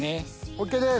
ＯＫです。